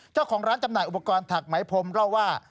เจ้าของร้านจำหน่ายอุปกรณ์ถักไหมพรมเล่าว่า